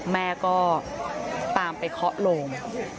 แม่ก็ตามไปเคาะโลง